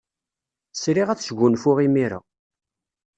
Sriɣ ad sgunfuɣ imir-a.